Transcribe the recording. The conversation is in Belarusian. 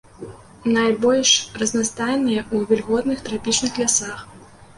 Найбольш разнастайныя ў вільготных трапічных лясах.